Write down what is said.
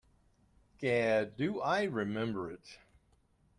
Gad, do I remember it.